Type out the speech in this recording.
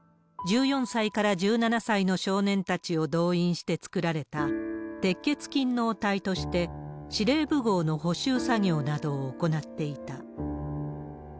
１４歳から１７歳の少年たちを動員して作られた鉄血勤皇隊として、司令部ごうの補修作業などを行っていた。